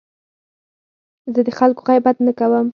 زه د خلکو غیبت نه کوم.